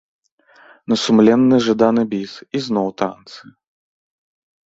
На сумленны жаданы біс, і зноў танцы.